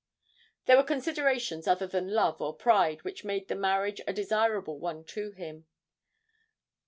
There were considerations other than love or pride which made the marriage a desirable one to him.